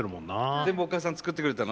全部お母さん作ってくれたの？